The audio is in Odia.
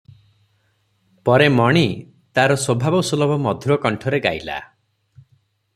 ପରେ ମଣି ତାର ସ୍ୱଭାବସୁଲଭ ମଧୁର କଣ୍ଠରେ ଗାଇଲା-